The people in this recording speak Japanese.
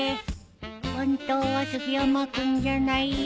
本当は杉山君じゃないよ。